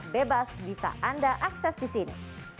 bebas bisa anda akses di sini